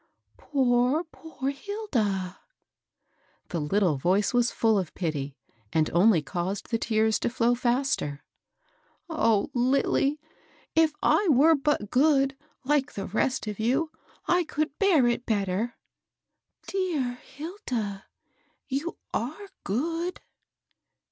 " Poor, poor Hilda !" The little voice was full of pity, and only caused the tears to flow faster. O Lilly ! if I were but good, like the rest of you, I could bear it better 1 "Dear Hilda, you are good.'